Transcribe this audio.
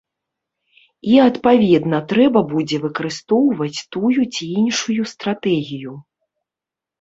І, адпаведна, трэба будзе выкарыстоўваць тую ці іншую стратэгію.